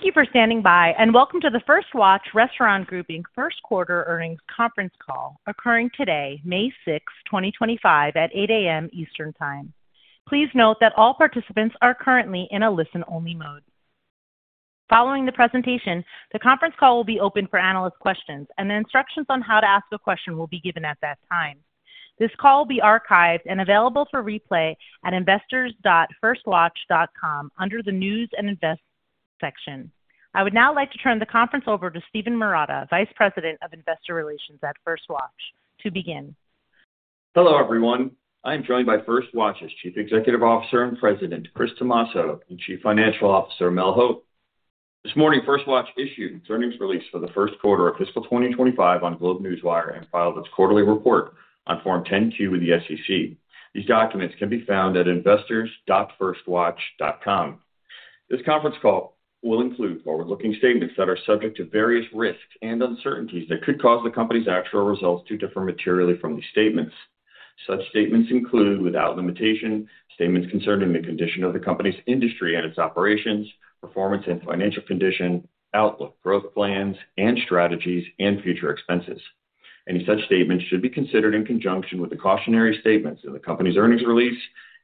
Thank you for standing by, and welcome to the First Watch Restaurant Group first-quarter earnings conference call occurring today, May 6, 2025, at 8:00 A.M. Eastern Time. Please note that all participants are currently in a listen-only mode. Following the presentation, the conference call will be open for analyst questions, and the instructions on how to ask a question will be given at that time. This call will be archived and available for replay at investors.firstwatch.com under the News and Invest section. I would now like to turn the conference over to Steven Marotta, Vice President of Investor Relations at First Watch, to begin. Hello, everyone. I am joined by First Watch's Chief Executive Officer and President, Chris Tomasso, and Chief Financial Officer, Mel Hope. This morning, First Watch issued its earnings release for the first quarter of fiscal 2025 on GlobeNewswire and filed its quarterly report on Form 10-Q with the SEC. These documents can be found at investors.firstwatch.com. This conference call will include forward-looking statements that are subject to various risks and uncertainties that could cause the company's actual results to differ materially from these statements. Such statements include, without limitation, statements concerning the condition of the company's industry and its operations, performance and financial condition, outlook, growth plans and strategies, and future expenses. Any such statements should be considered in conjunction with the cautionary statements in the company's earnings release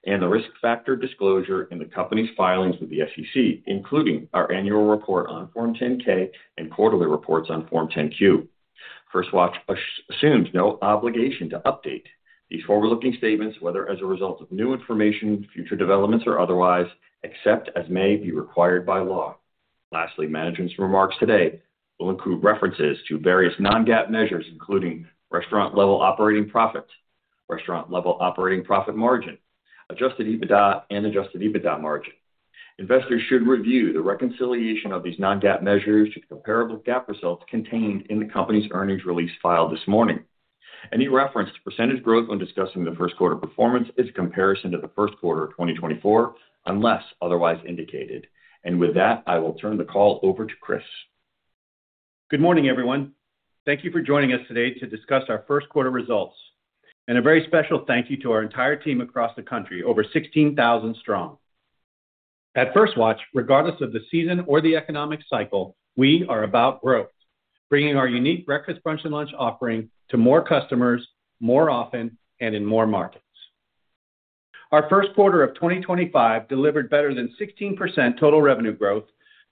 and the risk factor disclosure in the company's filings with the SEC, including our annual report on Form 10-K and quarterly reports on Form 10-Q. First Watch assumes no obligation to update these forward-looking statements, whether as a result of new information, future developments, or otherwise, except as may be required by law. Lastly, management's remarks today will include references to various non-GAAP measures, including restaurant-level operating profit, restaurant-level operating profit margin, adjusted EBITDA, and adjusted EBITDA margin. Investors should review the reconciliation of these non-GAAP measures to the comparable GAAP results contained in the company's earnings release filed this morning. Any reference to percentage growth when discussing the first-quarter performance is a comparison to the first quarter of 2024 unless otherwise indicated. With that, I will turn the call over to Chris. Good morning, everyone. Thank you for joining us today to discuss our first-quarter results. A very special thank you to our entire team across the country, over 16,000 strong. At First Watch, regardless of the season or the economic cycle, we are about growth, bringing our unique breakfast, brunch, and lunch offering to more customers, more often, and in more markets. Our first quarter of 2025 delivered better than 16% total revenue growth,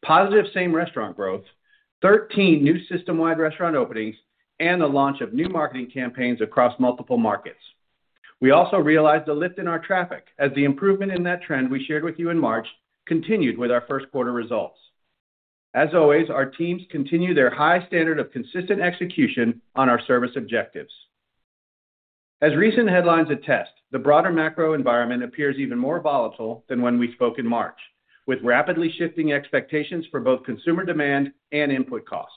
positive same restaurant growth, 13 new system-wide restaurant openings, and the launch of new marketing campaigns across multiple markets. We also realized a lift in our traffic as the improvement in that trend we shared with you in March continued with our first-quarter results. As always, our teams continue their high standard of consistent execution on our service objectives. As recent headlines attest, the broader macro environment appears even more volatile than when we spoke in March, with rapidly shifting expectations for both consumer demand and input costs.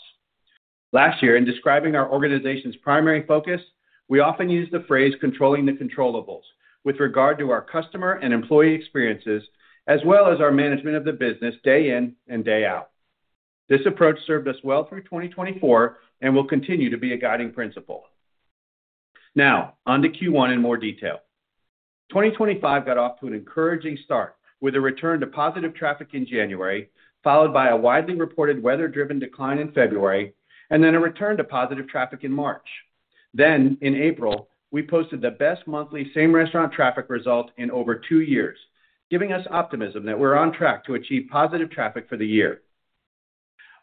Last year, in describing our organization's primary focus, we often used the phrase "controlling the controllables," with regard to our customer and employee experiences, as well as our management of the business day in and day out. This approach served us well through 2024 and will continue to be a guiding principle. Now, on to Q1 in more detail. 2025 got off to an encouraging start with a return to positive traffic in January, followed by a widely reported weather-driven decline in February, and then a return to positive traffic in March. In April, we posted the best monthly same restaurant traffic result in over two years, giving us optimism that we're on track to achieve positive traffic for the year.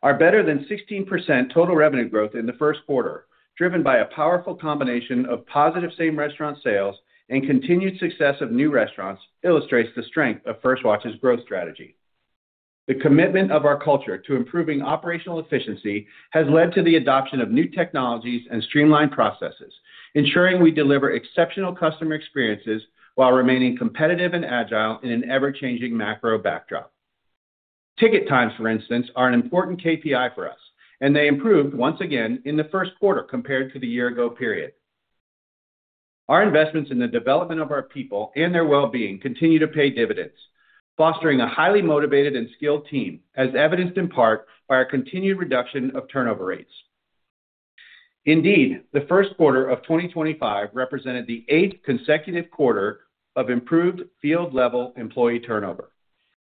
Our better than 16% total revenue growth in the first quarter, driven by a powerful combination of positive same restaurant sales and continued success of new restaurants, illustrates the strength of First Watch's growth strategy. The commitment of our culture to improving operational efficiency has led to the adoption of new technologies and streamlined processes, ensuring we deliver exceptional customer experiences while remaining competitive and agile in an ever-changing macro backdrop. Ticket times, for instance, are an important KPI for us, and they improved once again in the first quarter compared to the year-ago period. Our investments in the development of our people and their well-being continue to pay dividends, fostering a highly motivated and skilled team, as evidenced in part by our continued reduction of turnover rates. Indeed, the first quarter of 2025 represented the eighth consecutive quarter of improved field-level employee turnover.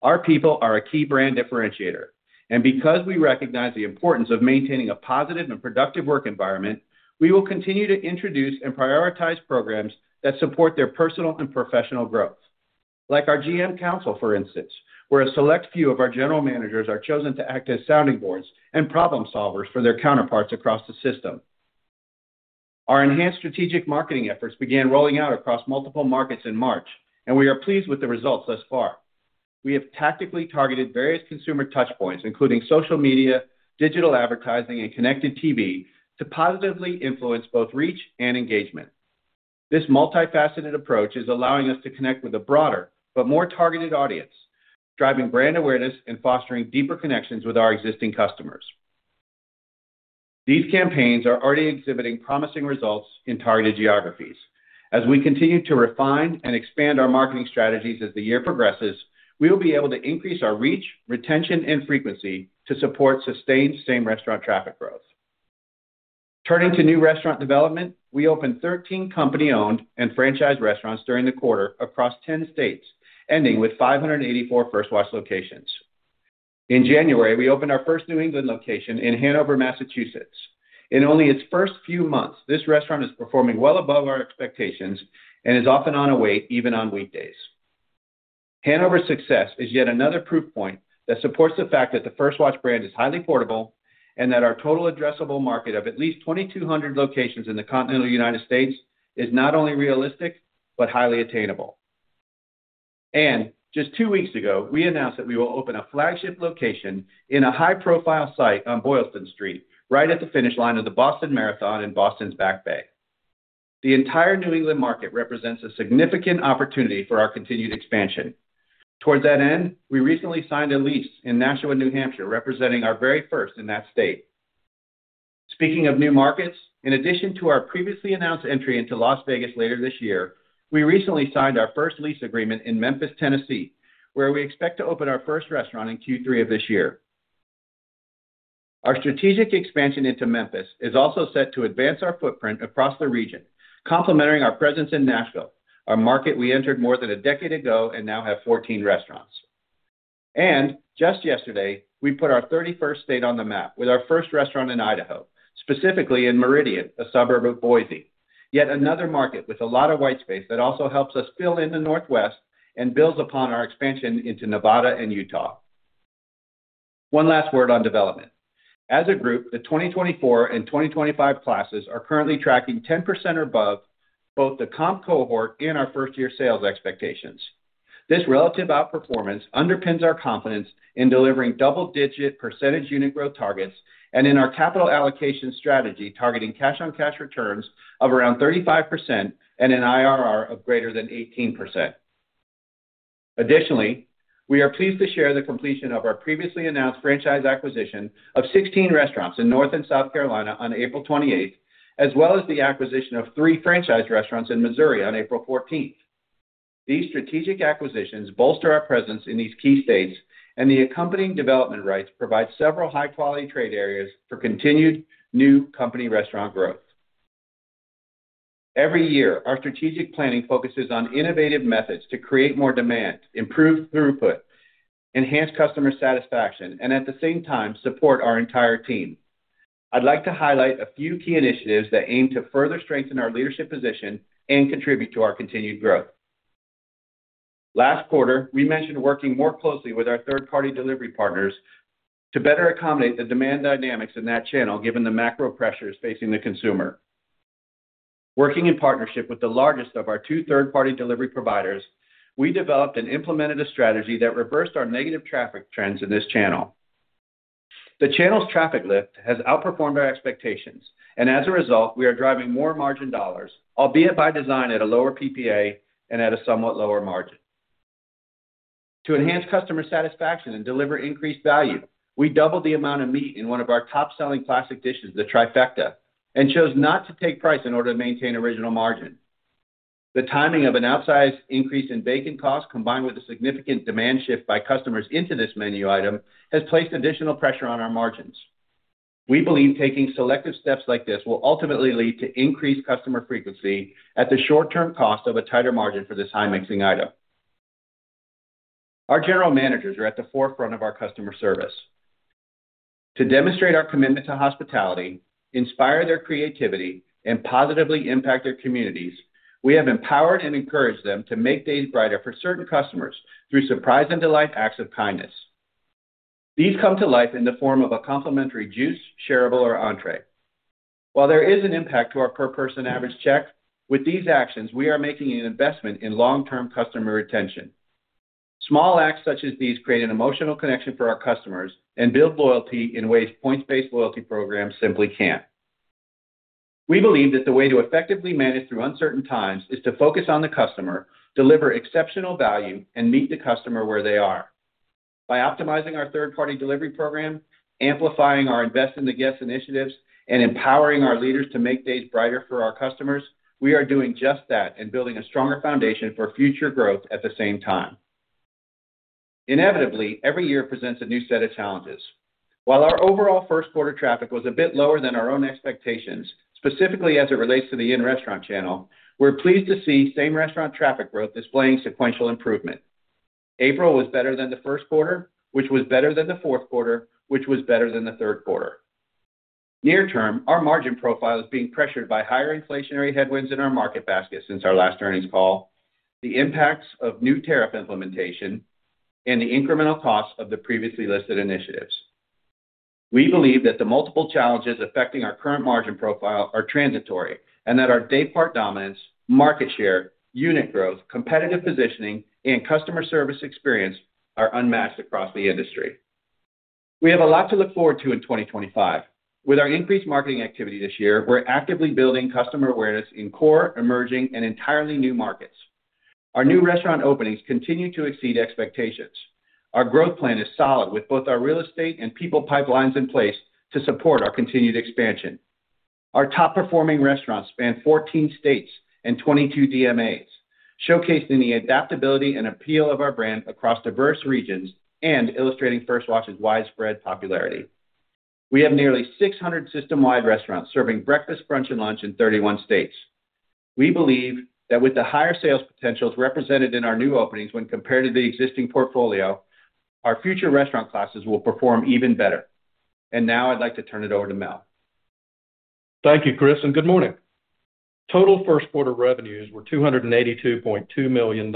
Our people are a key brand differentiator. Because we recognize the importance of maintaining a positive and productive work environment, we will continue to introduce and prioritize programs that support their personal and professional growth. Like our GM Council, for instance, where a select few of our general managers are chosen to act as sounding boards and problem-solvers for their counterparts across the system. Our enhanced strategic marketing efforts began rolling out across multiple markets in March, and we are pleased with the results thus far. We have tactically targeted various consumer touchpoints, including social media, digital advertising, and connected TV, to positively influence both reach and engagement. This multifaceted approach is allowing us to connect with a broader but more targeted audience, driving brand awareness and fostering deeper connections with our existing customers. These campaigns are already exhibiting promising results in targeted geographies. As we continue to refine and expand our marketing strategies as the year progresses, we will be able to increase our reach, retention, and frequency to support sustained same restaurant traffic growth. Turning to new restaurant development, we opened 13 company-owned and franchise restaurants during the quarter across 10 states, ending with 584 First Watch locations. In January, we opened our first New England location in Hanover, Massachusetts. In only its first few months, this restaurant is performing well above our expectations and is often on a wait, even on weekdays. Hanover's success is yet another proof point that supports the fact that the First Watch brand is highly portable and that our total addressable market of at least 2,200 locations in the continental United States is not only realistic but highly attainable. Just two weeks ago, we announced that we will open a flagship location in a high-profile site on Boylston Street, right at the finish line of the Boston Marathon in Boston's Back Bay. The entire New England market represents a significant opportunity for our continued expansion. Towards that end, we recently signed a lease in Nashua, New Hampshire, representing our very first in that state. Speaking of new markets, in addition to our previously announced entry into Las Vegas later this year, we recently signed our first lease agreement in Memphis, Tennessee, where we expect to open our first restaurant in Q3 of this year. Our strategic expansion into Memphis is also set to advance our footprint across the region, complementing our presence in Nashville, our market we entered more than a decade ago and now have 14 restaurants. Just yesterday, we put our 31st state on the map with our first restaurant in Idaho, specifically in Meridian, a suburb of Boise, yet another market with a lot of white space that also helps us fill in the northwest and builds upon our expansion into Nevada and Utah. One last word on development. As a group, the 2024 and 2025 classes are currently tracking 10% or above both the comp cohort and our first-year sales expectations. This relative outperformance underpins our confidence in delivering double-digit % unit growth targets and in our capital allocation strategy targeting cash-on-cash returns of around 35% and an IRR of greater than 18%. Additionally, we are pleased to share the completion of our previously announced franchise acquisition of 16 restaurants in North and South Carolina on April 28, as well as the acquisition of three franchise restaurants in Missouri on April 14. These strategic acquisitions bolster our presence in these key states, and the accompanying development rights provide several high-quality trade areas for continued new company restaurant growth. Every year, our strategic planning focuses on innovative methods to create more demand, improve throughput, enhance customer satisfaction, and at the same time, support our entire team. I'd like to highlight a few key initiatives that aim to further strengthen our leadership position and contribute to our continued growth. Last quarter, we mentioned working more closely with our third-party delivery partners to better accommodate the demand dynamics in that channel, given the macro pressures facing the consumer. Working in partnership with the largest of our two third-party delivery providers, we developed and implemented a strategy that reversed our negative traffic trends in this channel. The channel's traffic lift has outperformed our expectations, and as a result, we are driving more margin dollars, albeit by design at a lower PPA and at a somewhat lower margin. To enhance customer satisfaction and deliver increased value, we doubled the amount of meat in one of our top-selling classic dishes, the Trifecta, and chose not to take price in order to maintain original margin. The timing of an outsized increase in bacon costs, combined with a significant demand shift by customers into this menu item, has placed additional pressure on our margins. We believe taking selective steps like this will ultimately lead to increased customer frequency at the short-term cost of a tighter margin for this high-mixing item. Our general managers are at the forefront of our customer service. To demonstrate our commitment to hospitality, inspire their creativity, and positively impact their communities, we have empowered and encouraged them to make days brighter for certain customers through surprise and delight acts of kindness. These come to life in the form of a complimentary juice, shareable, or entrée. While there is an impact to our per-person average check, with these actions, we are making an investment in long-term customer retention. Small acts such as these create an emotional connection for our customers and build loyalty in ways points-based loyalty programs simply can't. We believe that the way to effectively manage through uncertain times is to focus on the customer, deliver exceptional value, and meet the customer where they are. By optimizing our third-party delivery program, amplifying our invest in the guest initiatives, and empowering our leaders to make days brighter for our customers, we are doing just that and building a stronger foundation for future growth at the same time. Inevitably, every year presents a new set of challenges. While our overall first-quarter traffic was a bit lower than our own expectations, specifically as it relates to the in-restaurant channel, we're pleased to see same restaurant traffic growth displaying sequential improvement. April was better than the first quarter, which was better than the fourth quarter, which was better than the third quarter. Near term, our margin profile is being pressured by higher inflationary headwinds in our market basket since our last earnings call, the impacts of new tariff implementation, and the incremental costs of the previously listed initiatives. We believe that the multiple challenges affecting our current margin profile are transitory and that our day-part dominance, market share, unit growth, competitive positioning, and customer service experience are unmatched across the industry. We have a lot to look forward to in 2025. With our increased marketing activity this year, we're actively building customer awareness in core, emerging, and entirely new markets. Our new restaurant openings continue to exceed expectations. Our growth plan is solid with both our real estate and people pipelines in place to support our continued expansion. Our top-performing restaurants span 14 states and 22 DMAs, showcasing the adaptability and appeal of our brand across diverse regions and illustrating First Watch's widespread popularity. We have nearly 600 system-wide restaurants serving breakfast, brunch, and lunch in 31 states. We believe that with the higher sales potentials represented in our new openings when compared to the existing portfolio, our future restaurant classes will perform even better. I would like to turn it over to Mel. Thank you, Chris, and good morning. Total first-quarter revenues were $282.2 million,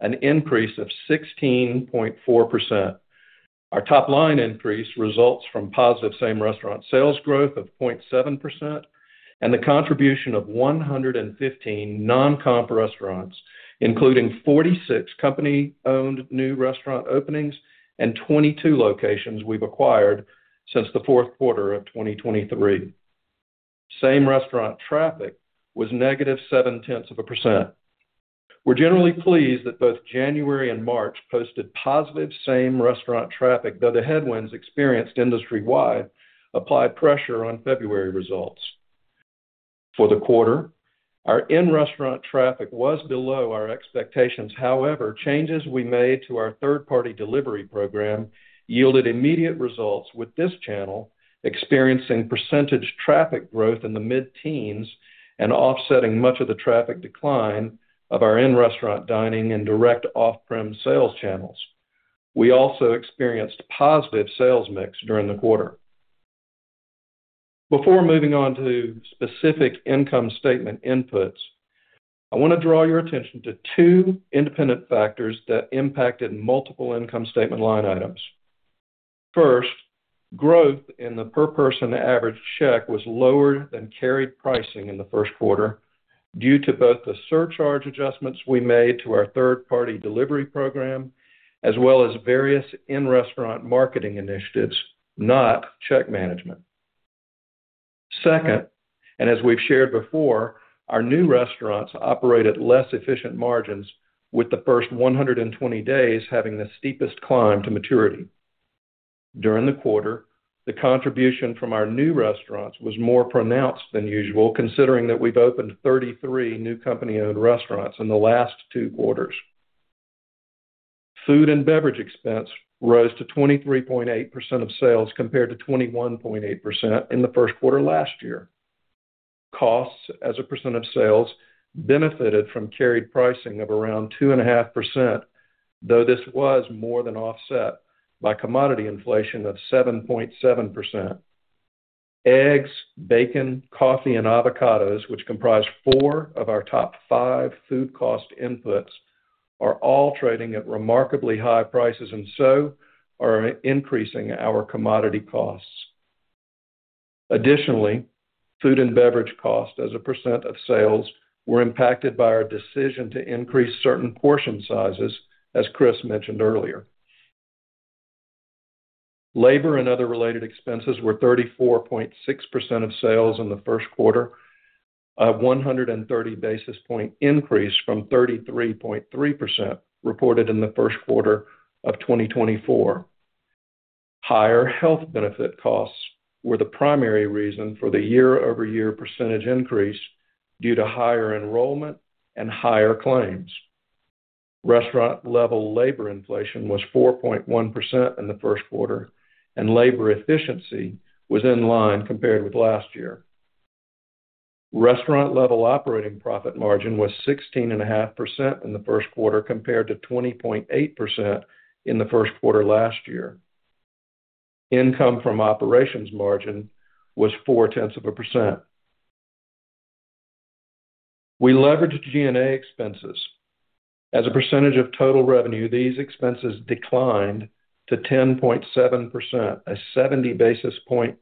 an increase of 16.4%. Our top-line increase results from positive same restaurant sales growth of 0.7% and the contribution of 115 non-comp restaurants, including 46 company-owned new restaurant openings and 22 locations we have acquired since the fourth quarter of 2023. Same restaurant traffic was negative 0.7%. We are generally pleased that both January and March posted positive same restaurant traffic, though the headwinds experienced industry-wide applied pressure on February results. For the quarter, our in-restaurant traffic was below our expectations. However, changes we made to our third-party delivery program yielded immediate results with this channel experiencing % traffic growth in the mid-teens and offsetting much of the traffic decline of our in-restaurant dining and direct off-prem sales channels. We also experienced positive sales mix during the quarter. Before moving on to specific income statement inputs, I want to draw your attention to two independent factors that impacted multiple income statement line items. First, growth in the per-person average check was lower than carried pricing in the first quarter due to both the surcharge adjustments we made to our third-party delivery program as well as various in-restaurant marketing initiatives, not check management. Second, and as we've shared before, our new restaurants operate at less efficient margins, with the first 120 days having the steepest climb to maturity. During the quarter, the contribution from our new restaurants was more pronounced than usual, considering that we've opened 33 new company-owned restaurants in the last two quarters. Food and beverage expense rose to 23.8% of sales compared to 21.8% in the first quarter last year. Costs as a percent of sales benefited from carried pricing of around 2.5%, though this was more than offset by commodity inflation of 7.7%. Eggs, bacon, coffee, and avocados, which comprise four of our top five food cost inputs, are all trading at remarkably high prices and so are increasing our commodity costs. Additionally, food and beverage costs as a percent of sales were impacted by our decision to increase certain portion sizes, as Chris mentioned earlier. Labor and other related expenses were 34.6% of sales in the first quarter, a 130 basis point increase from 33.3% reported in the first quarter of 2024. Higher health benefit costs were the primary reason for the year-over-year percentage increase due to higher enrollment and higher claims. Restaurant-level labor inflation was 4.1% in the first quarter, and labor efficiency was in line compared with last year. Restaurant-level operating profit margin was 16.5% in the first quarter compared to 20.8% in the first quarter last year. Income from operations margin was 0.4%. We leveraged G&A expenses. As a percentage of total revenue, these expenses declined to 10.7%, a 70 basis point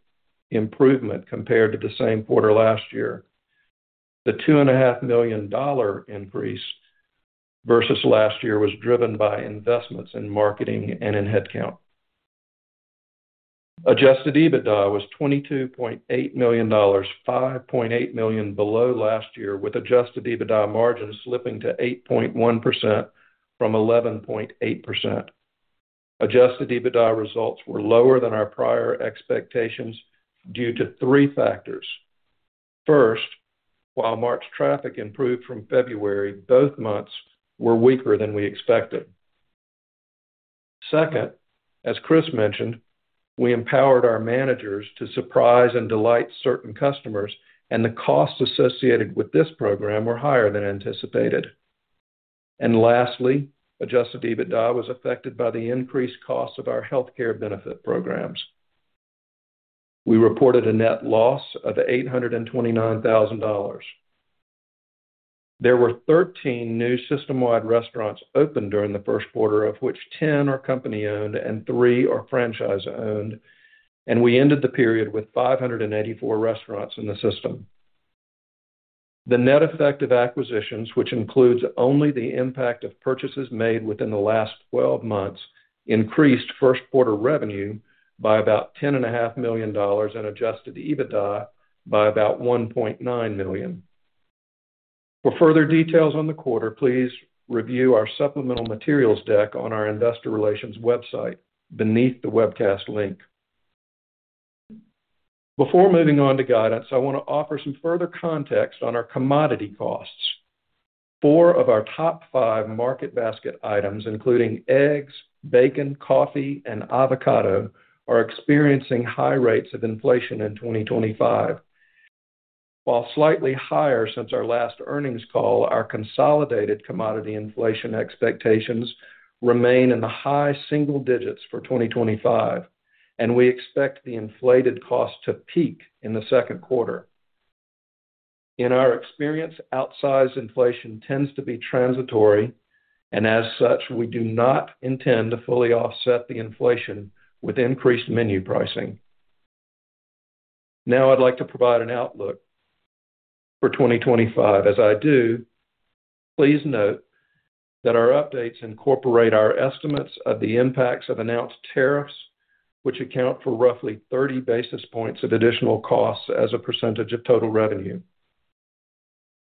improvement compared to the same quarter last year. The $2.5 million increase versus last year was driven by investments in marketing and in headcount. Adjusted EBITDA was $22.8 million, $5.8 million below last year, with adjusted EBITDA margin slipping to 8.1% from 11.8%. Adjusted EBITDA results were lower than our prior expectations due to three factors. First, while March traffic improved from February, both months were weaker than we expected. Second, as Chris mentioned, we empowered our managers to surprise and delight certain customers, and the costs associated with this program were higher than anticipated. Lastly, adjusted EBITDA was affected by the increased costs of our healthcare benefit programs. We reported a net loss of $829,000. There were 13 new system-wide restaurants opened during the first quarter, of which 10 are company-owned and three are franchise-owned, and we ended the period with 584 restaurants in the system. The net effect of acquisitions, which includes only the impact of purchases made within the last 12 months, increased first-quarter revenue by about $10.5 million and adjusted EBITDA by about $1.9 million. For further details on the quarter, please review our supplemental materials deck on our investor relations website beneath the webcast link. Before moving on to guidance, I want to offer some further context on our commodity costs. Four of our top five market basket items, including eggs, bacon, coffee, and avocado, are experiencing high rates of inflation in 2025. While slightly higher since our last earnings call, our consolidated commodity inflation expectations remain in the high single digits for 2025, and we expect the inflated cost to peak in the second quarter. In our experience, outsized inflation tends to be transitory, and as such, we do not intend to fully offset the inflation with increased menu pricing. Now I'd like to provide an outlook for 2025. As I do, please note that our updates incorporate our estimates of the impacts of announced tariffs, which account for roughly 30 basis points of additional costs as a percentage of total revenue.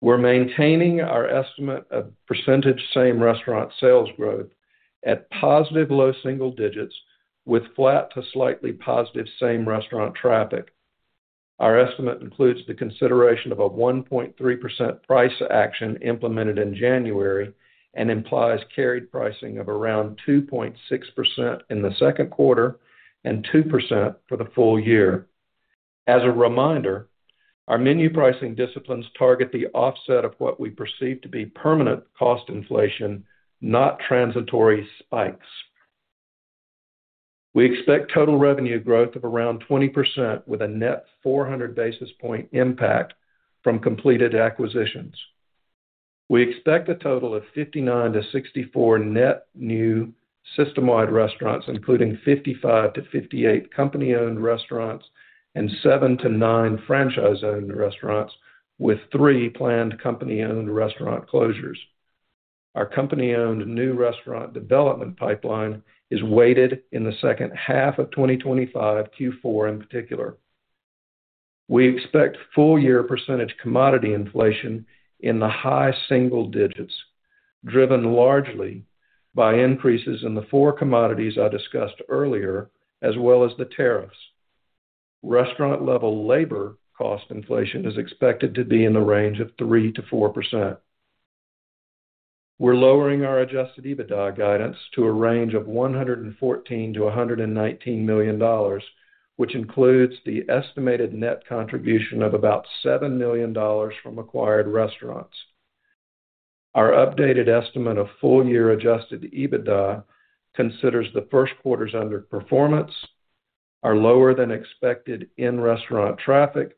We're maintaining our estimate of percentage same restaurant sales growth at positive low single digits with flat to slightly positive same restaurant traffic. Our estimate includes the consideration of a 1.3% price action implemented in January and implies carried pricing of around 2.6% in the second quarter and 2% for the full year. As a reminder, our menu pricing disciplines target the offset of what we perceive to be permanent cost inflation, not transitory spikes. We expect total revenue growth of around 20% with a net 400 basis point impact from completed acquisitions. We expect a total of 59-64 net new system-wide restaurants, including 55-58 company-owned restaurants and 7-9 franchise-owned restaurants, with three planned company-owned restaurant closures. Our company-owned new restaurant development pipeline is weighted in the second half of 2025, Q4 in particular. We expect full-year percentage commodity inflation in the high single digits, driven largely by increases in the four commodities I discussed earlier, as well as the tariffs. Restaurant-level labor cost inflation is expected to be in the range of 3%-4%. We're lowering our adjusted EBITDA guidance to a range of $114-$119 million, which includes the estimated net contribution of about $7 million from acquired restaurants. Our updated estimate of full-year adjusted EBITDA considers the first quarter's underperformance, our lower-than-expected in-restaurant traffic,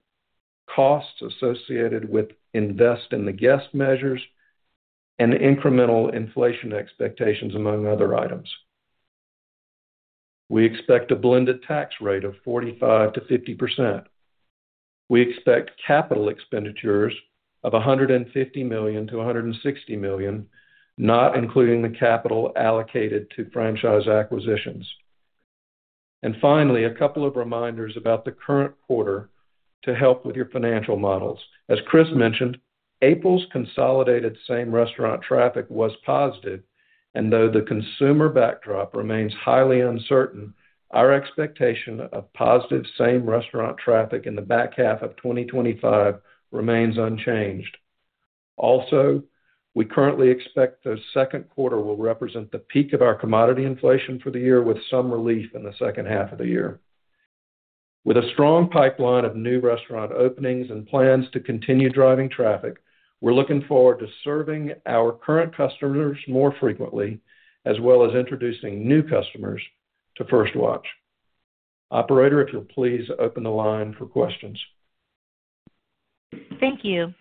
costs associated with invest in the guest measures, and incremental inflation expectations, among other items. We expect a blended tax rate of 45%-50%. We expect capital expenditures of $150 million-$160 million, not including the capital allocated to franchise acquisitions. Finally, a couple of reminders about the current quarter to help with your financial models. As Chris mentioned, April's consolidated same restaurant traffic was positive, and though the consumer backdrop remains highly uncertain, our expectation of positive same restaurant traffic in the back half of 2025 remains unchanged. Also, we currently expect the second quarter will represent the peak of our commodity inflation for the year, with some relief in the second half of the year. With a strong pipeline of new restaurant openings and plans to continue driving traffic, we're looking forward to serving our current customers more frequently, as well as introducing new customers to First Watch. Operator, if you'll please open the line for questions. Thank you.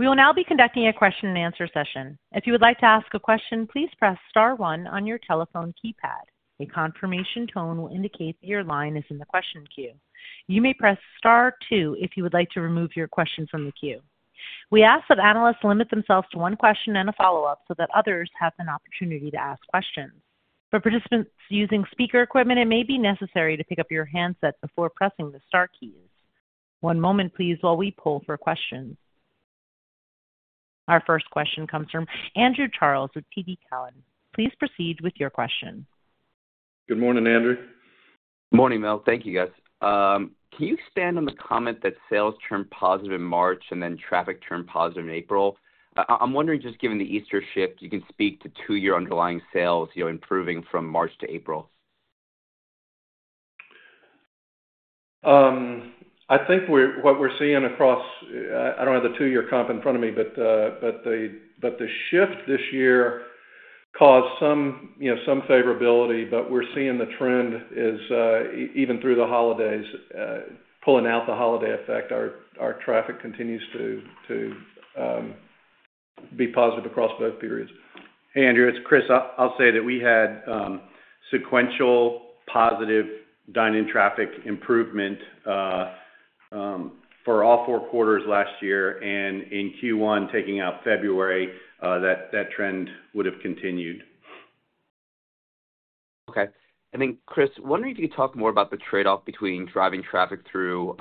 We will now be conducting a question-and-answer session. If you would like to ask a question, please press Star one on your telephone keypad. A confirmation tone will indicate that your line is in the question queue. You may press Star two if you would like to remove your question from the queue. We ask that analysts limit themselves to one question and a follow-up so that others have an opportunity to ask questions. For participants using speaker equipment, it may be necessary to pick up your handset before pressing the Star keys. One moment, please, while we pull for questions. Our first question comes from Andrew Charles with TD Cowen. Please proceed with your question. Good morning, Andrew. Good morning, Mel. Thank you, guys. Can you expand on the comment that sales turned positive in March and then traffic turned positive in April? I'm wondering, just given the Easter shift, you can speak to two-year underlying sales improving from March to April. I think what we're seeing across—I don't have the two-year comp in front of me, but the shift this year caused some favorability, but we're seeing the trend even through the holidays, pulling out the holiday effect. Our traffic continues to be positive across both periods. Hey, Andrew. It's Chris. I'll say that we had sequential positive dining traffic improvement for all four quarters last year, and in Q1, taking out February, that trend would have continued. Okay. And then, Chris, wondering if you could talk more about the trade-off between driving traffic through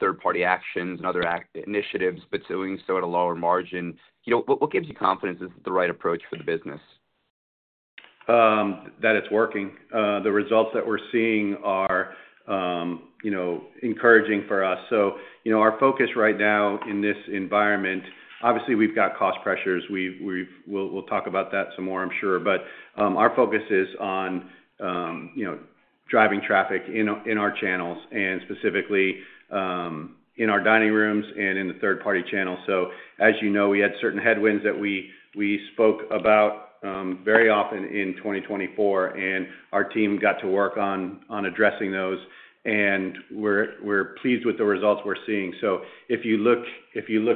third-party actions and other initiatives, but doing so at a lower margin. What gives you confidence this is the right approach for the business? That it's working. The results that we're seeing are encouraging for us. Our focus right now in this environment, obviously, we've got cost pressures. We'll talk about that some more, I'm sure, but our focus is on driving traffic in our channels, and specifically in our dining rooms and in the third-party channels. As you know, we had certain headwinds that we spoke about very often in 2024, and our team got to work on addressing those, and we're pleased with the results we're seeing. If you look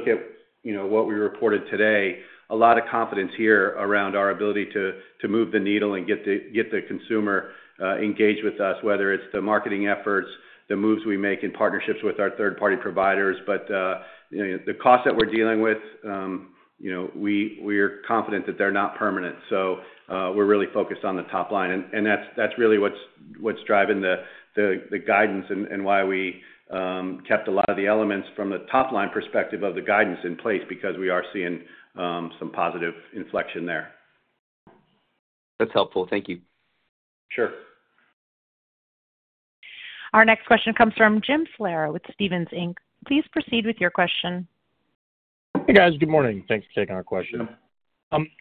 at what we reported today, a lot of confidence here around our ability to move the needle and get the consumer engaged with us, whether it's the marketing efforts, the moves we make, and partnerships with our third-party providers. The costs that we're dealing with, we are confident that they're not permanent. We're really focused on the top line, and that's really what's driving the guidance and why we kept a lot of the elements from the top-line perspective of the guidance in place because we are seeing some positive inflection there. That's helpful. Thank you. Sure. Our next question comes from Jim Solera with Stephens Inc. Please proceed with your question. Hey, guys. Good morning. Thanks for taking our question.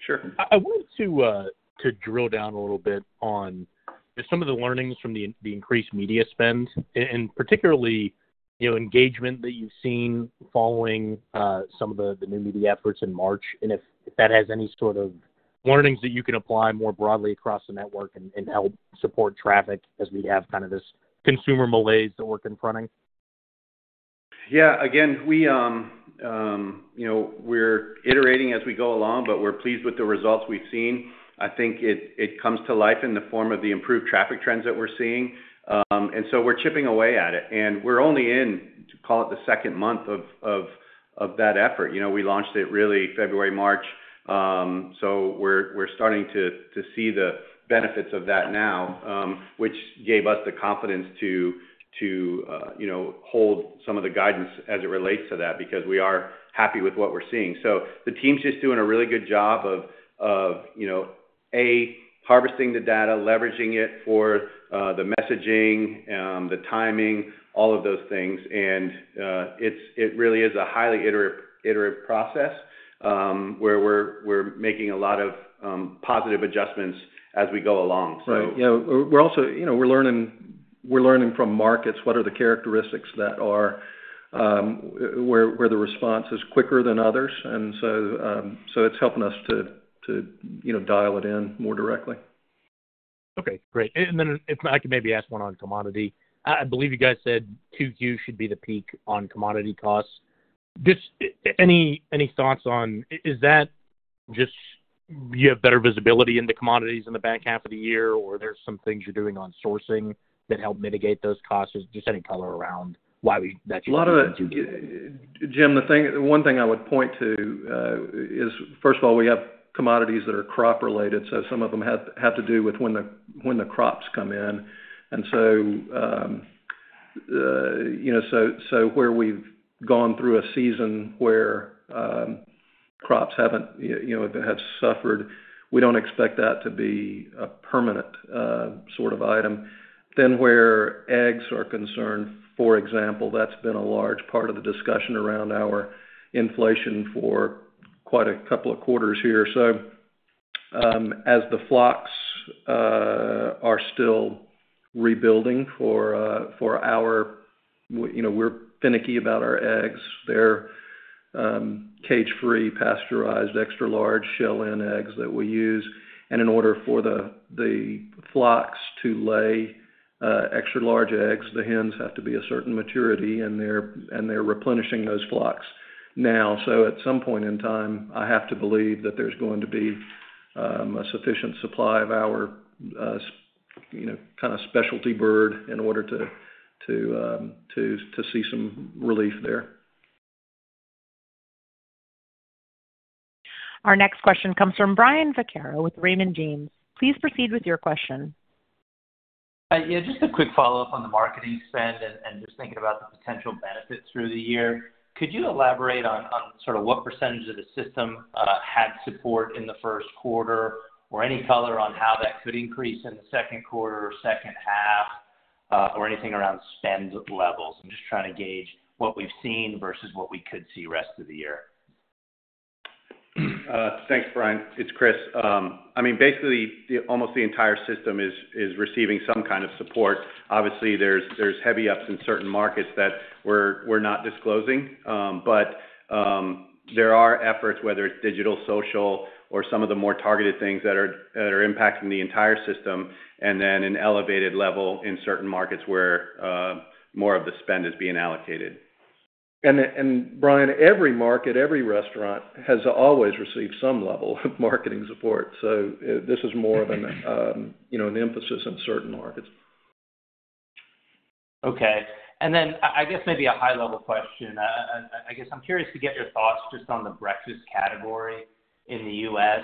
Sure. I wanted to drill down a little bit on some of the learnings from the increased media spend, and particularly engagement that you've seen following some of the new media efforts in March, and if that has any sort of learnings that you can apply more broadly across the network and help support traffic as we have kind of this consumer malaise that we're confronting. Yeah. Again, we're iterating as we go along, but we're pleased with the results we've seen. I think it comes to life in the form of the improved traffic trends that we're seeing, and we're chipping away at it. We're only in, call it, the second month of that effort. We launched it really February, March, so we're starting to see the benefits of that now, which gave us the confidence to hold some of the guidance as it relates to that because we are happy with what we're seeing. The team's just doing a really good job of, A, harvesting the data, leveraging it for the messaging, the timing, all of those things. It really is a highly iterative process where we're making a lot of positive adjustments as we go along. Yeah, we're learning from markets what are the characteristics that are where the response is quicker than others, and it's helping us to dial it in more directly. Okay. Great. If I could maybe ask one on commodity. I believe you guys said Q2 should be the peak on commodity costs. Just any thoughts on is that just you have better visibility into commodities in the back half of the year, or there are some things you're doing on sourcing that help mitigate those costs? Any color around why that's your reason to do that. Jim, the one thing I would point to is, first of all, we have commodities that are crop-related, so some of them have to do with when the crops come in. Where we have gone through a season where crops have suffered, we do not expect that to be a permanent sort of item. Where eggs are concerned, for example, that has been a large part of the discussion around our inflation for quite a couple of quarters here. As the flocks are still rebuilding for our—we are finicky about our eggs. They are cage-free, pasteurized, extra-large, shell-in eggs that we use. In order for the flocks to lay extra-large eggs, the hens have to be a certain maturity, and they are replenishing those flocks now. At some point in time, I have to believe that there is going to be a sufficient supply of our kind of specialty bird in order to see some relief there. Our next question comes from Brian Vaccaro with Raymond James. Please proceed with your question. Yeah. Just a quick follow-up on the marketing spend and just thinking about the potential benefits through the year. Could you elaborate on sort of what percentage of the system had support in the first quarter, or any color on how that could increase in the second quarter or second half, or anything around spend levels? I'm just trying to gauge what we've seen versus what we could see rest of the year. Thanks, Brian. It's Chris. I mean, basically, almost the entire system is receiving some kind of support. Obviously, there's heavy ups in certain markets that we're not disclosing, but there are efforts, whether it's digital, social, or some of the more targeted things that are impacting the entire system, and then an elevated level in certain markets where more of the spend is being allocated. Brian, every market, every restaurant has always received some level of marketing support, so this is more of an emphasis in certain markets. Okay. I guess maybe a high-level question. I'm curious to get your thoughts just on the breakfast category in the U.S.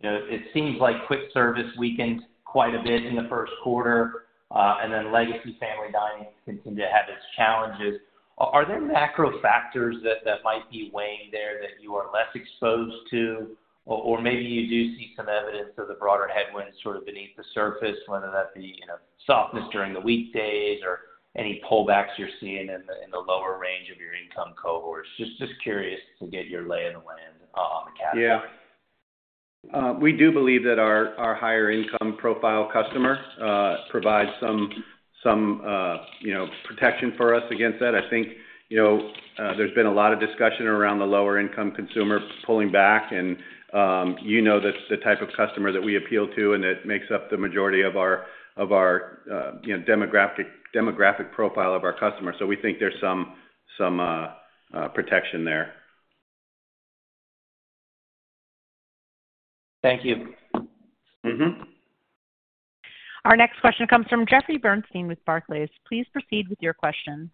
It seems like quick service weakened quite a bit in the first quarter, and then legacy family dining continued to have its challenges. Are there macro factors that might be weighing there that you are less exposed to, or maybe you do see some evidence of the broader headwinds sort of beneath the surface, whether that be softness during the weekdays or any pullbacks you're seeing in the lower range of your income cohorts? Just curious to get your lay of the land on the category. Yeah. We do believe that our higher-income profile customer provides some protection for us against that. I think there's been a lot of discussion around the lower-income consumer pulling back, and you know that's the type of customer that we appeal to, and it makes up the majority of our demographic profile of our customer. So we think there's some protection there. Thank you. Our next question comes from Jeffrey Bernstein with Barclays. Please proceed with your question.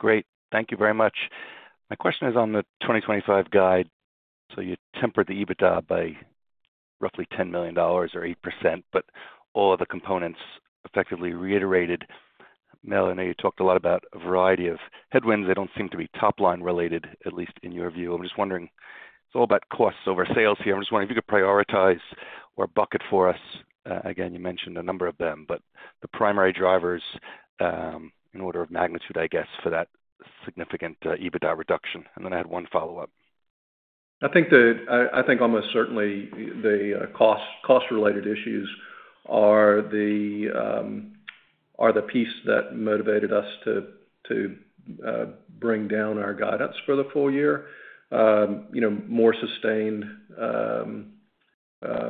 Great. Thank you very much. My question is on the 2025 guide. You tempered the EBITDA by roughly $10 million or 8%, but all of the components effectively reiterated. Mel, I know you talked a lot about a variety of headwinds that don't seem to be top-line related, at least in your view. I'm just wondering—it's all about costs over sales here. I'm just wondering if you could prioritize or bucket for us. Again, you mentioned a number of them, but the primary drivers in order of magnitude, I guess, for that significant EBITDA reduction. I had one follow-up. I think almost certainly the cost-related issues are the piece that motivated us to bring down our guidance for the full year: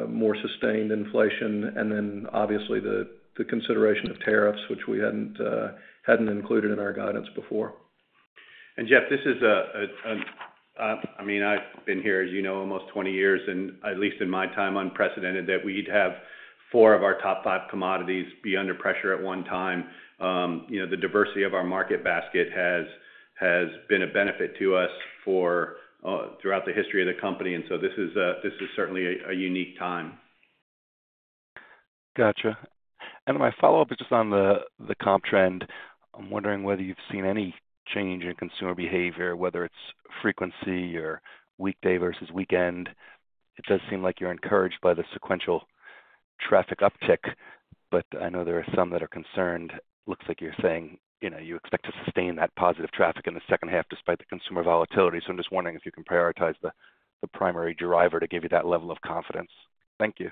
more sustained inflation, and obviously the consideration of tariffs, which we hadn't included in our guidance before. Jeff, this is a—I mean, I've been here, as you know, almost 20 years, and at least in my time, unprecedented that we'd have four of our top five commodities be under pressure at one time. The diversity of our market basket has been a benefit to us throughout the history of the company, and this is certainly a unique time. Gotcha. My follow-up is just on the comp trend. I'm wondering whether you've seen any change in consumer behavior, whether it's frequency or weekday versus weekend. It does seem like you're encouraged by the sequential traffic uptick, but I know there are some that are concerned. Looks like you're saying you expect to sustain that positive traffic in the second half despite the consumer volatility. I'm just wondering if you can prioritize the primary driver to give you that level of confidence. Thank you.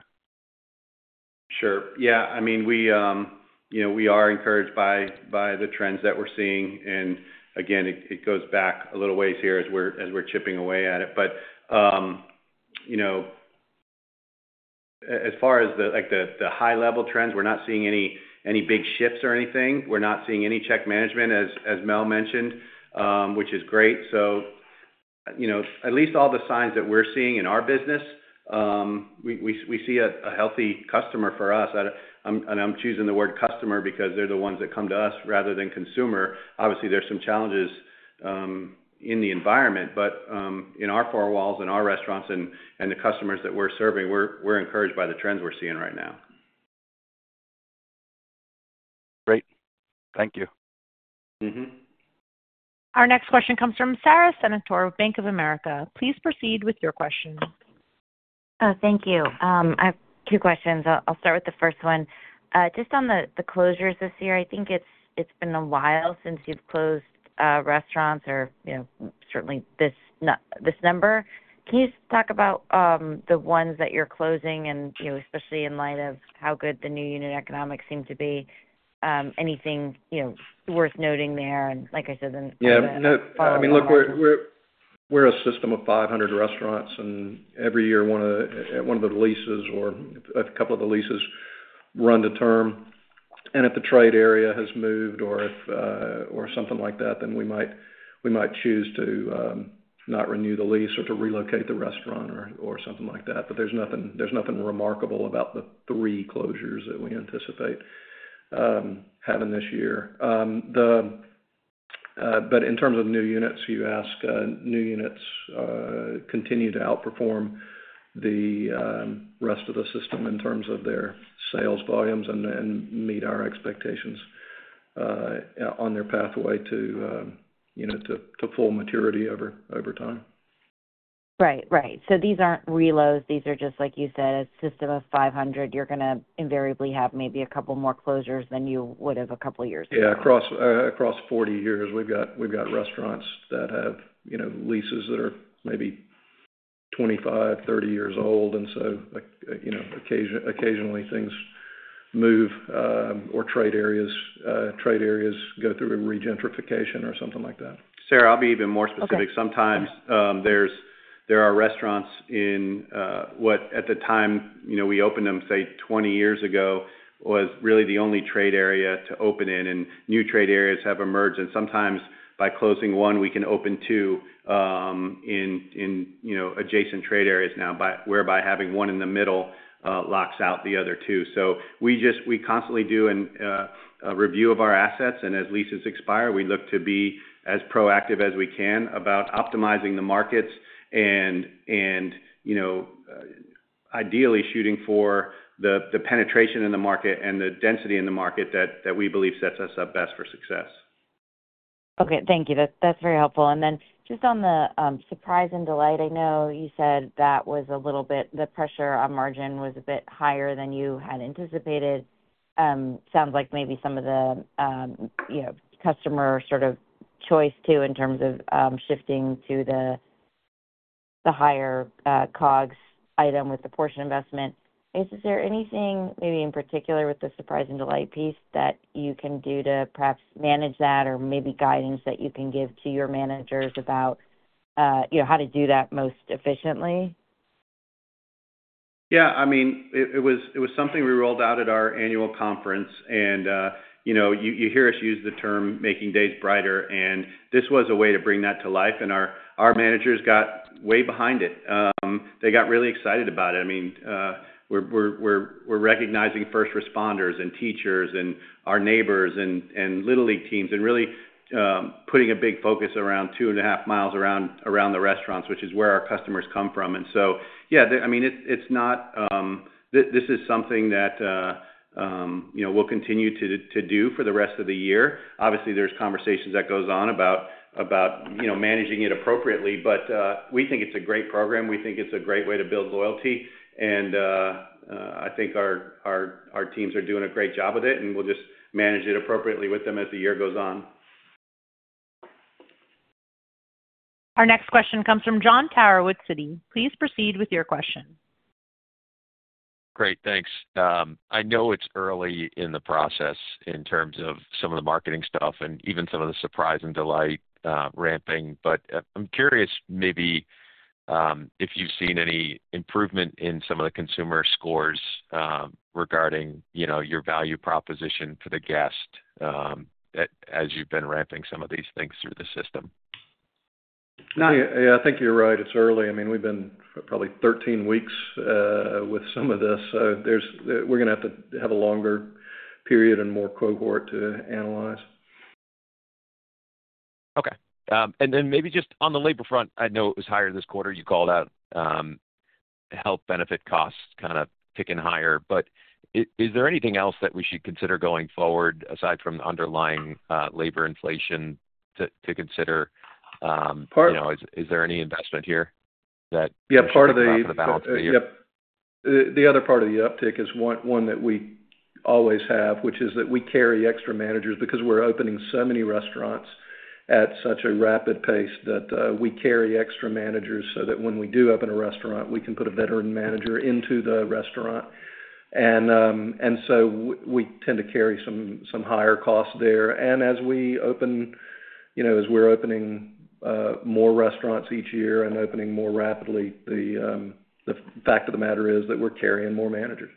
Sure. Yeah. I mean, we are encouraged by the trends that we're seeing, and again, it goes back a little ways here as we're chipping away at it. As far as the high-level trends, we're not seeing any big shifts or anything. We're not seeing any check management, as Mel mentioned, which is great. At least all the signs that we're seeing in our business, we see a healthy customer for us. I'm choosing the word customer because they're the ones that come to us rather than consumer. Obviously, there's some challenges in the environment, but in our four walls and our restaurants and the customers that we're serving, we're encouraged by the trends we're seeing right now. Great. Thank you. Our next question comes from Sara Senatore of Bank of America. Please proceed with your question. Thank you. I have two questions. I'll start with the first one. Just on the closures this year, I think it's been a while since you've closed restaurants or certainly this number. Can you just talk about the ones that you're closing, and especially in light of how good the new unit economics seem to be? Anything worth noting there? Like I said, then follow-up. Yeah. I mean, look, we're a system of 500 restaurants, and every year one of the leases or a couple of the leases run to term. If the trade area has moved or something like that, then we might choose to not renew the lease or to relocate the restaurant or something like that. There is nothing remarkable about the three closures that we anticipate having this year. In terms of new units, you ask, new units continue to outperform the rest of the system in terms of their sales volumes and meet our expectations on their pathway to full maturity over time. Right. Right. These aren't reloads. These are just, like you said, a system of 500. You're going to invariably have maybe a couple more closures than you would have a couple of years ago. Yeah. Across 40 years, we've got restaurants that have leases that are maybe 25, 30 years old, and so occasionally things move or trade areas go through a regentrification or something like that. Sarah, I'll be even more specific. Sometimes there are restaurants in what, at the time we opened them, say, 20 years ago, was really the only trade area to open in, and new trade areas have emerged. Sometimes by closing one, we can open two in adjacent trade areas now, whereby having one in the middle locks out the other two. We constantly do a review of our assets, and as leases expire, we look to be as proactive as we can about optimizing the markets and ideally shooting for the penetration in the market and the density in the market that we believe sets us up best for success. Okay. Thank you. That's very helpful. Just on the surprise and delight, I know you said that was a little bit, the pressure on margin was a bit higher than you had anticipated. Sounds like maybe some of the customer sort of choice too in terms of shifting to the higher COGS item with the portion investment. Is there anything maybe in particular with the surprise and delight piece that you can do to perhaps manage that or maybe guidance that you can give to your managers about how to do that most efficiently? Yeah. I mean, it was something we rolled out at our annual conference, and you hear us use the term making days brighter, and this was a way to bring that to life. Our managers got way behind it. They got really excited about it. I mean, we're recognizing first responders and teachers and our neighbors and Little League teams and really putting a big focus around two and a half miles around the restaurants, which is where our customers come from. I mean, it's not this is something that we'll continue to do for the rest of the year. Obviously, there's conversations that go on about managing it appropriately, but we think it's a great program. We think it's a great way to build loyalty, and I think our teams are doing a great job with it, and we'll just manage it appropriately with them as the year goes on. Our next question comes from Jon Tower with Citi. Please proceed with your question. Great. Thanks. I know it's early in the process in terms of some of the marketing stuff and even some of the surprise and delight ramping, but I'm curious maybe if you've seen any improvement in some of the consumer scores regarding your value proposition to the guest as you've been ramping some of these things through the system. Yeah. I think you're right. It's early. I mean, we've been probably 13 weeks with some of this. So we're going to have to have a longer period and more cohort to analyze. Okay. And then maybe just on the labor front, I know it was higher this quarter. You called out health benefit costs kind of ticking higher. Is there anything else that we should consider going forward aside from underlying labor inflation to consider? Is there any investment here that we can talk to the balance of the year? Yeah. Part of the yep. The other part of the uptick is one that we always have, which is that we carry extra managers because we're opening so many restaurants at such a rapid pace that we carry extra managers so that when we do open a restaurant, we can put a veteran manager into the restaurant. We tend to carry some higher costs there. As we're opening more restaurants each year and opening more rapidly, the fact of the matter is that we're carrying more managers.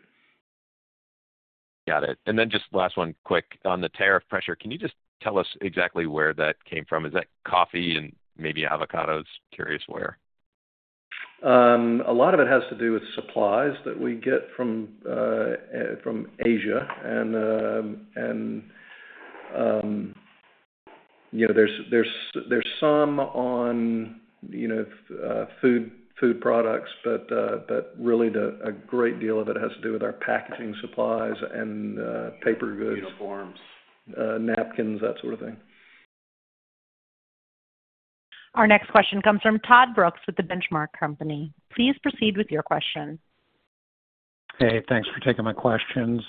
Got it. Just last one, quick, on the tariff pressure, can you just tell us exactly where that came from? Is that coffee and maybe avocados? Curious where. A lot of it has to do with supplies that we get from Asia. There is some on food products, but really a great deal of it has to do with our packaging supplies and paper goods, napkins, that sort of thing. Our next question comes from Todd Brooks with the Benchmark Company. Please proceed with your question. Hey, thanks for taking my questions.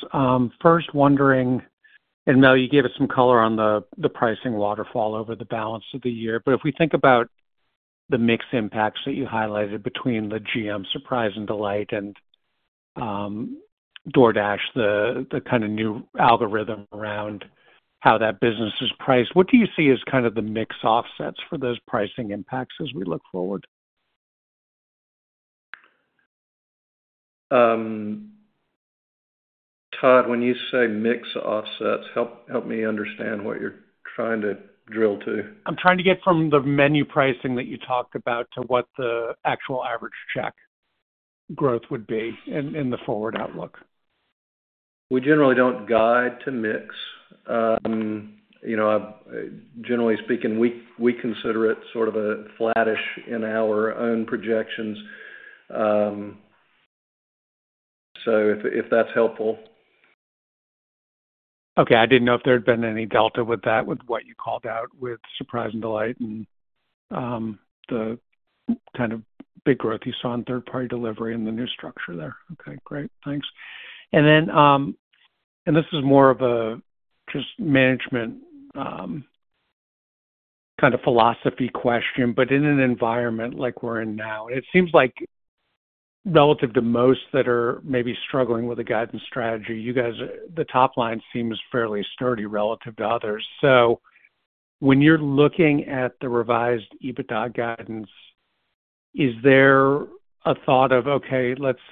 First, wondering, and Mel, you gave us some color on the pricing waterfall over the balance of the year, but if we think about the mixed impacts that you highlighted between the GM surprise and delight and DoorDash, the kind of new algorithm around how that business is priced, what do you see as kind of the mixed offsets for those pricing impacts as we look forward? Todd, when you say mixed offsets, help me understand what you're trying to drill to. I'm trying to get from the menu pricing that you talked about to what the actual average check growth would be in the forward outlook. We generally don't guide to mix. Generally speaking, we consider it sort of a flattish in our own projections. If that's helpful. Okay. I didn't know if there had been any delta with that, with what you called out with surprise and delight and the kind of big growth you saw in third-party delivery and the new structure there. Okay. Great. Thanks. This is more of a just management kind of philosophy question, but in an environment like we're in now, it seems like relative to most that are maybe struggling with a guidance strategy, the top line seems fairly sturdy relative to others. When you're looking at the revised EBITDA guidance, is there a thought of, "Okay, let's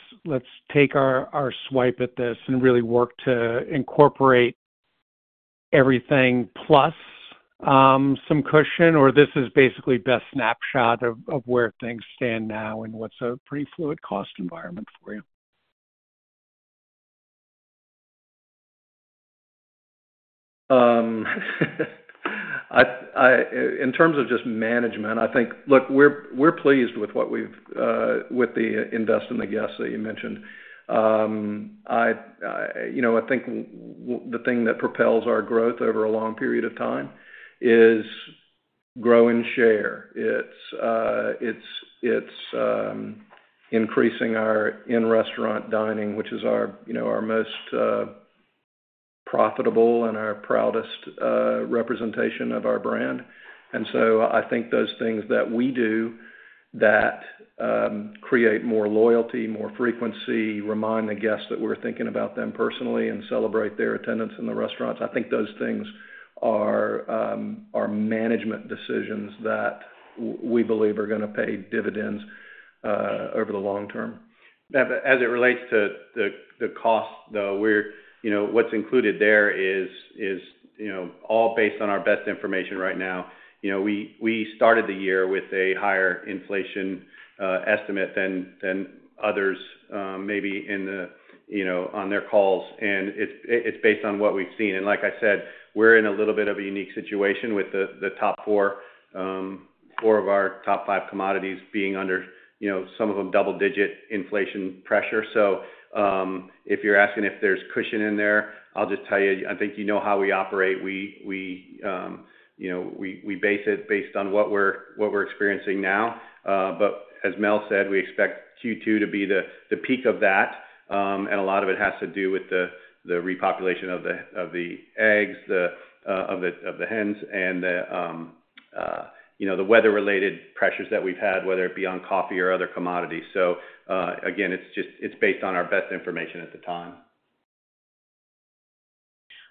take our swipe at this and really work to incorporate everything plus some cushion," or this is basically best snapshot of where things stand now and what's a pretty fluid cost environment for you? In terms of just management, I think, look, we're pleased with the invest in the guests that you mentioned. I think the thing that propels our growth over a long period of time is growing share. It's increasing our in-restaurant dining, which is our most profitable and our proudest representation of our brand. I think those things that we do that create more loyalty, more frequency, remind the guests that we're thinking about them personally and celebrate their attendance in the restaurants, I think those things are management decisions that we believe are going to pay dividends over the long term. As it relates to the cost, though, what's included there is all based on our best information right now. We started the year with a higher inflation estimate than others maybe on their calls, and it's based on what we've seen. Like I said, we're in a little bit of a unique situation with the top four of our top five commodities being under some of them double-digit inflation pressure. If you're asking if there's cushion in there, I'll just tell you, I think you know how we operate. We base it based on what we're experiencing now. As Mel said, we expect Q2 to be the peak of that, and a lot of it has to do with the repopulation of the eggs, of the hens, and the weather-related pressures that we've had, whether it be on coffee or other commodities. Again, it's based on our best information at the time.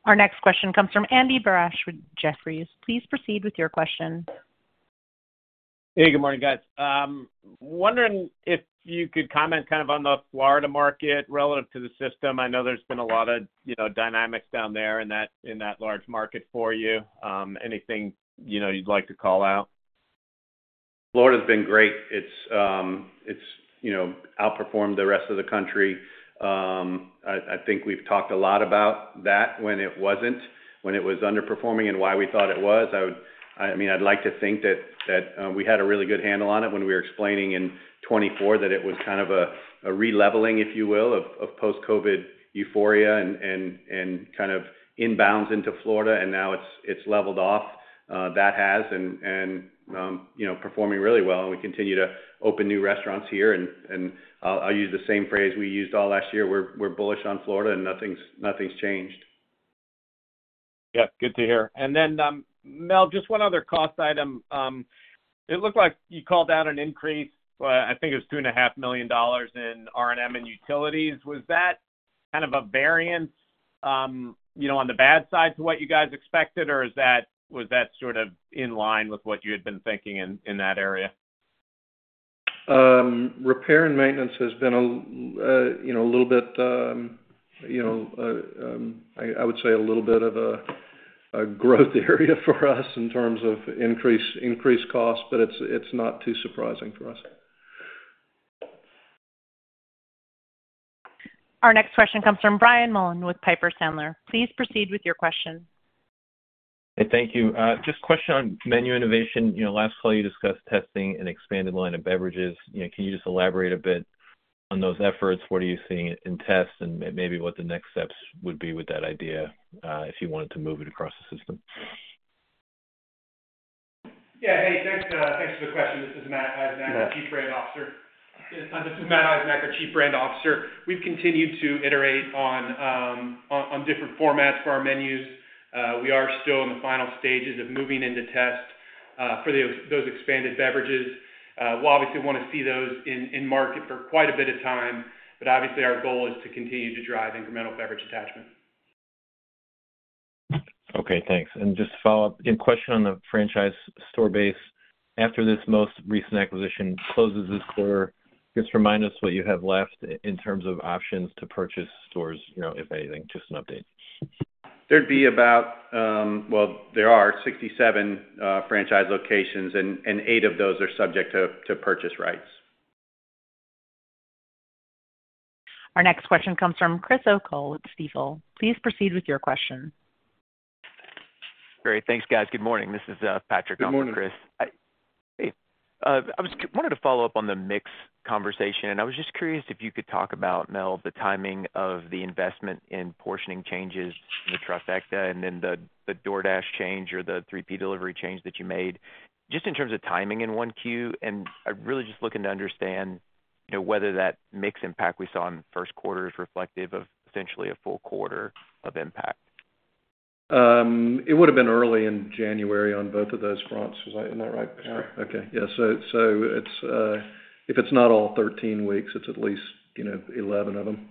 Our next question comes from Andy Barish with Jeffries. Please proceed with your question. Hey, good morning, guys. Wondering if you could comment kind of on the Florida market relative to the system. I know there's been a lot of dynamics down there in that large market for you. Anything you'd like to call out? Florida has been great. It's outperformed the rest of the country. I think we've talked a lot about that when it wasn't, when it was underperforming and why we thought it was. I mean, I'd like to think that we had a really good handle on it when we were explaining in 2024 that it was kind of a releveling, if you will, of post-COVID euphoria and kind of inbounds into Florida, and now it's leveled off. That has been performing really well. We continue to open new restaurants here, and I'll use the same phrase we used all last year. We're bullish on Florida, and nothing's changed. Yeah. Good to hear. Mel, just one other cost item. It looked like you called out an increase. I think it was $2.5 million in R&M and utilities. Was that kind of a variance on the bad side to what you guys expected, or was that sort of in line with what you had been thinking in that area? Repair and maintenance has been a little bit, I would say, a little bit of a growth area for us in terms of increased costs, but it's not too surprising for us. Our next question comes from Brian Mullan with Piper Sandler. Please proceed with your question. Hey, thank you. Just a question on menu innovation. Last call, you discussed testing an expanded line of beverages. Can you just elaborate a bit on those efforts? What are you seeing in tests and maybe what the next steps would be with that idea if you wanted to move it across the system? Yeah. Hey, thanks for the question. This is Matt Eisenacher, Chief Brand Officer. We've continued to iterate on different formats for our menus. We are still in the final stages of moving into test for those expanded beverages. We obviously want to see those in market for quite a bit of time, but obviously, our goal is to continue to drive incremental beverage attachment. Okay. Thanks. Just a follow-up question on the franchise store base. After this most recent acquisition closes this quarter, just remind us what you have left in terms of options to purchase stores, if anything, just an update. There would be about, well, there are 67 franchise locations, and 8 of those are subject to purchase rights. Our next question comes from Chris Oakhall with Stevoll. Please proceed with your question. Great. Thanks, guys. Good morning. This is Patrick. Good morning. I was wanting to follow up on the mix conversation, and I was just curious if you could talk about, Mel, the timing of the investment in portioning changes in the Trifecta and then the DoorDash change or the 3P delivery change that you made just in terms of timing in one queue. I'm really just looking to understand whether that mixed impact we saw in the first quarter is reflective of essentially a full quarter of impact. It would have been early in January on both of those fronts. Is that right? That's correct. Okay. Yeah. If it's not all 13 weeks, it's at least 11 of them.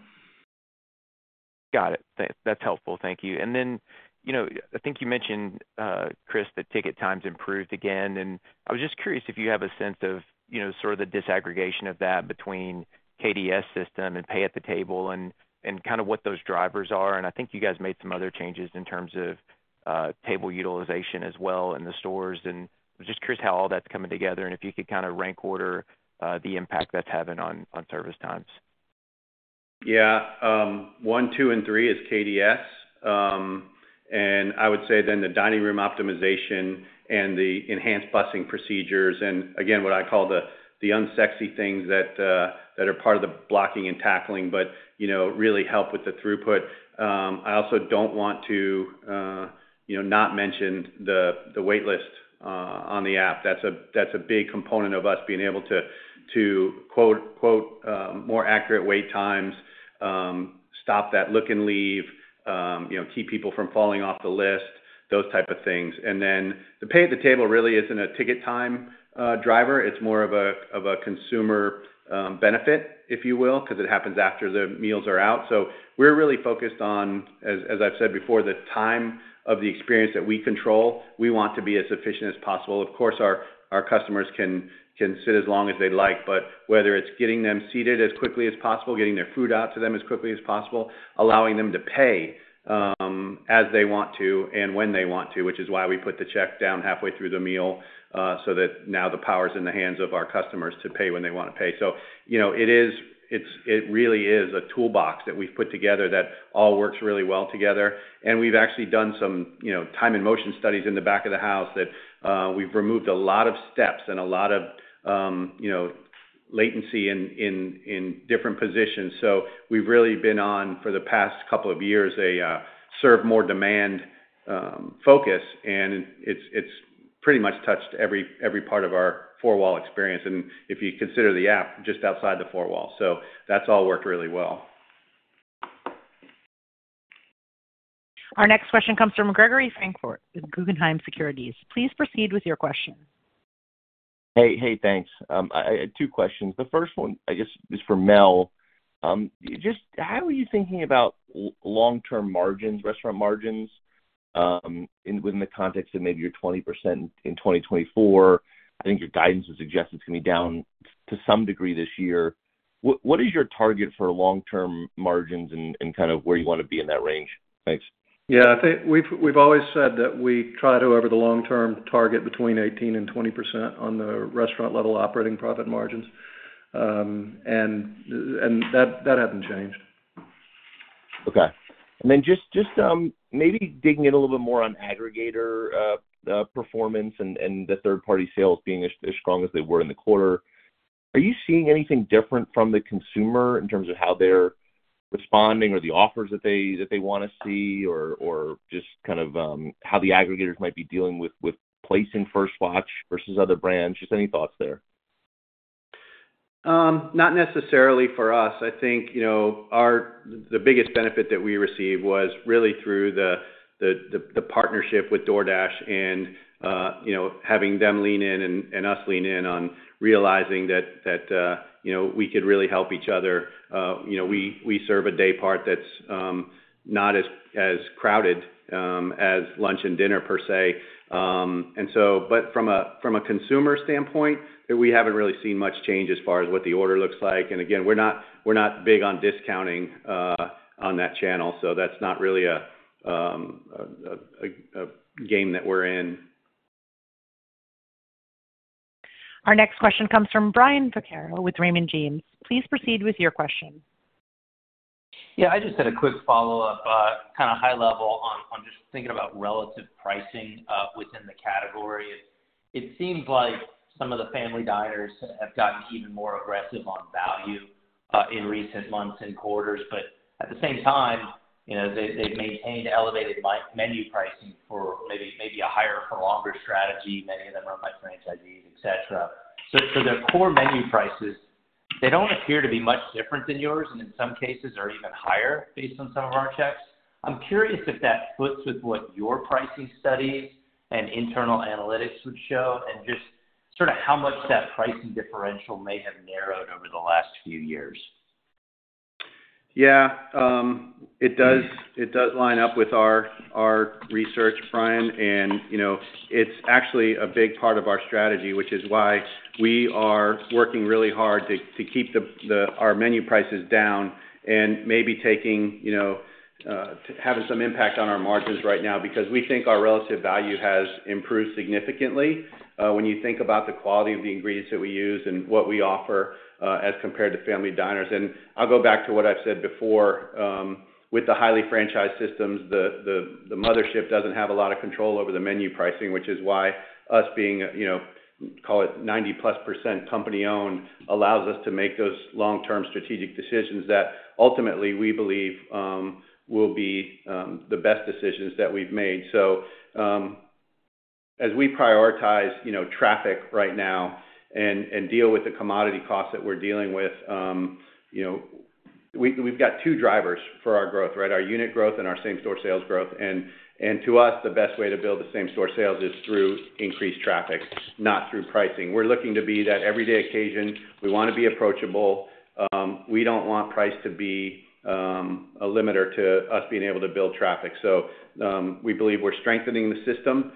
Got it. That's helpful. Thank you. I think you mentioned, Chris, that ticket times improved again. I was just curious if you have a sense of sort of the disaggregation of that between KDS system and pay at the table and kind of what those drivers are. I think you guys made some other changes in terms of table utilization as well in the stores. I'm just curious how all that's coming together and if you could kind of rank order the impact that's having on service times. Yeah. One, two, and three is KDS. I would say then the dining room optimization and the enhanced busing procedures and, again, what I call the unsexy things that are part of the blocking and tackling but really help with the throughput. I also do not want to not mention the waitlist on the app. That's a big component of us being able to, quote, "more accurate wait times," stop that look and leave, keep people from falling off the list, those type of things. The pay at the table really isn't a ticket time driver. It's more of a consumer benefit, if you will, because it happens after the meals are out. We are really focused on, as I've said before, the time of the experience that we control. We want to be as efficient as possible. Of course, our customers can sit as long as they like, but whether it's getting them seated as quickly as possible, getting their food out to them as quickly as possible, allowing them to pay as they want to and when they want to, which is why we put the check down halfway through the meal so that now the power is in the hands of our customers to pay when they want to pay. It really is a toolbox that we've put together that all works really well together. We've actually done some time-in-motion studies in the back of the house that have removed a lot of steps and a lot of latency in different positions. We've really been on, for the past couple of years, a serve-more-demand focus, and it's pretty much touched every part of our four-wall experience. If you consider the app just outside the four-wall, so that's all worked really well. Our next question comes from Gregory Francfort with Guggenheim Securities. Please proceed with your question. Hey, hey, thanks. I had two questions. The first one, I guess, is for Mel. Just how are you thinking about long-term margins, restaurant margins within the context of maybe your 20% in 2024? I think your guidance would suggest it's going to be down to some degree this year. What is your target for long-term margins and kind of where you want to be in that range? Thanks. Yeah. I think we've always said that we try to, over the long term, target between 18-20% on the restaurant-level operating profit margins, and that hasn't changed. Okay. Just maybe digging in a little bit more on aggregator performance and the third-party sales being as strong as they were in the quarter, are you seeing anything different from the consumer in terms of how they're responding or the offers that they want to see or just kind of how the aggregators might be dealing with placing First Watch versus other brands? Just any thoughts there? Not necessarily for us. I think the biggest benefit that we received was really through the partnership with DoorDash and having them lean in and us lean in on realizing that we could really help each other. We serve a day part that's not as crowded as lunch and dinner, per se. From a consumer standpoint, we haven't really seen much change as far as what the order looks like. We're not big on discounting on that channel, so that's not really a game that we're in. Our next question comes from Brian Vaccaro with Raymond James. Please proceed with your question. Yeah. I just had a quick follow-up, kind of high level on just thinking about relative pricing within the category. It seems like some of the family diners have gotten even more aggressive on value in recent months and quarters, but at the same time, they've maintained elevated menu pricing for maybe a higher-for-longer strategy. Many of them are by franchisees, etc. For their core menu prices, they don't appear to be much different than yours and in some cases are even higher based on some of our checks. I'm curious if that fits with what your pricing studies and internal analytics would show and just sort of how much that pricing differential may have narrowed over the last few years. Yeah. It does line up with our research, Brian. It is actually a big part of our strategy, which is why we are working really hard to keep our menu prices down and maybe having some impact on our margins right now because we think our relative value has improved significantly when you think about the quality of the ingredients that we use and what we offer as compared to family diners. I'll go back to what I've said before. With the highly franchised systems, the mothership doesn't have a lot of control over the menu pricing, which is why us being, call it, 90-plus percent company-owned allows us to make those long-term strategic decisions that ultimately we believe will be the best decisions that we've made. As we prioritize traffic right now and deal with the commodity costs that we're dealing with, we've got two drivers for our growth, right? Our unit growth and our same restaurant sales growth. To us, the best way to build the same restaurant sales is through increased traffic, not through pricing. We're looking to be that everyday occasion. We want to be approachable. We don't want price to be a limiter to us being able to build traffic. We believe we're strengthening the system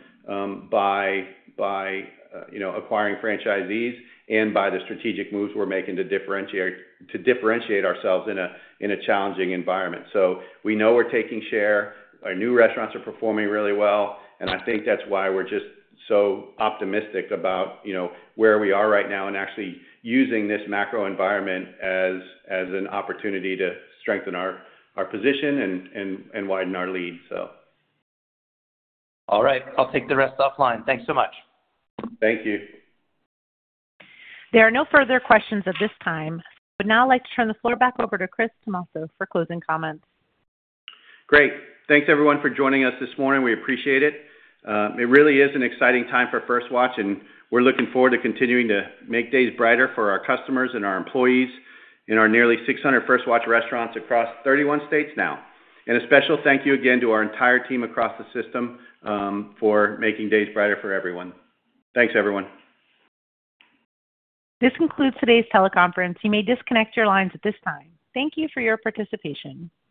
by acquiring franchisees and by the strategic moves we're making to differentiate ourselves in a challenging environment. We know we're taking share. Our new restaurants are performing really well, and I think that's why we're just so optimistic about where we are right now and actually using this macro environment as an opportunity to strengthen our position and widen our lead. All right. I'll take the rest offline. Thanks so much. Thank you. There are no further questions at this time. Now I'd like to turn the floor back over to Chris Tomasso for closing comments. Great. Thanks, everyone, for joining us this morning. We appreciate it. It really is an exciting time for First Watch, and we're looking forward to continuing to make days brighter for our customers and our employees in our nearly 600 First Watch restaurants across 31 states now. A special thank you again to our entire team across the system for making days brighter for everyone. Thanks, everyone. This concludes today's teleconference. You may disconnect your lines at this time. Thank you for your participation.